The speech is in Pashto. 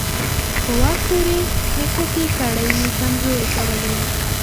په واک پورې نښتې کړۍ یې کمزورې کولې.